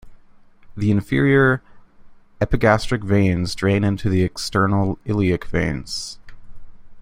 The inferior epigastric veins drain into the external iliac veins.